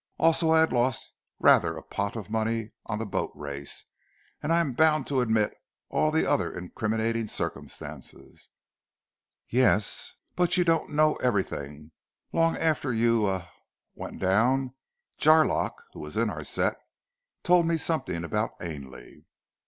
Also I had lost rather a pot of money on the boat race, and I am bound to admit all the other incriminating circumstances." "Yes, but you don't know everything. Long after you er went down, Jarlock, who was in our set, told me something about Ainley."